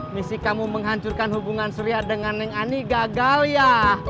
misi kamu menghancurkan hubungan surya dengan yang ani gagal ya